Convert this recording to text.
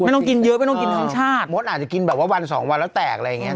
ต้องกินเยอะไม่ต้องกินทั้งชาติมดอาจจะกินแบบว่าวันสองวันแล้วแตกอะไรอย่างเงี้